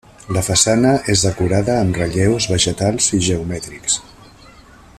La façana és decorada amb relleus vegetals i geomètrics.